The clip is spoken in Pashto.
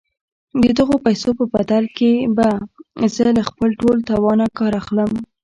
د دغو پيسو په بدل کې به زه له خپل ټول توانه کار اخلم.